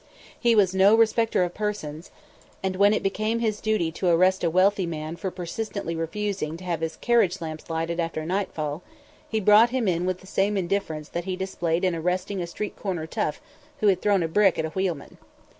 He was no respecter of persons, and when it became his duty to arrest a wealthy man for persistently refusing to have his carriage lamps lighted after nightfall, he brought him in with the same indifference that he displayed in arresting a street corner tough who had thrown a brick at a wheelman.